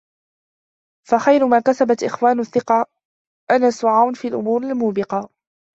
فخير ما كسبت إخوان الثقة أنس وعون في الأمور الموبقة